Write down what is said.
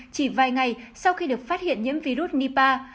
chỉ vài ngày sau khi được phát hiện nhiễm virus nipa